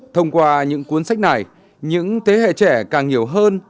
thông qua những cuốn sách này những thế hệ trẻ càng nhiều hơn